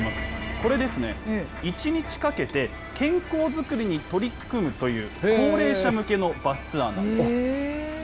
これですね、１日かけて健康づくりに取り組むという、高齢者向けのバスツアーなんです。